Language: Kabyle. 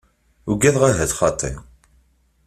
Ugadeɣ ahat xaṭi.